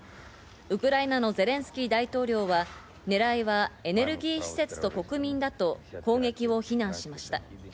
ウクライナのゼレンスキー大統領は狙いはエネルギー施設と国民だと攻撃を非難しました。